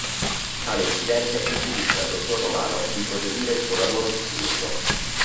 Tale incidente impedisce al dr. Romano di proseguire il suo lavoro di chirurgo.